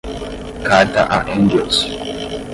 Carta a Engels